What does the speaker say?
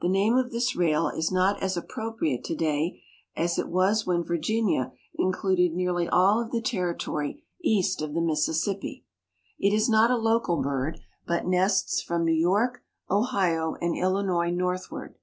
The name of this rail is not as appropriate to day as it was when Virginia included nearly all of the territory east of the Mississippi. It is not a local bird, but nests from New York, Ohio, and Illinois northward.